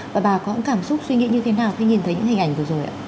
và bà có cảm xúc suy nghĩ như thế nào khi nhìn thấy những hình ảnh vừa rồi ạ